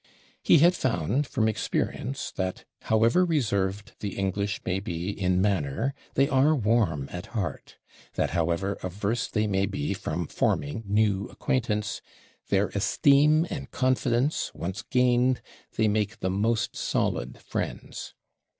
He had found, from experience, that, however reserved the English may be in manner, they are warm at heart; that, however averse they may be from forming new acquaintance, their esteem and confidence once gained, they make the most solid friends.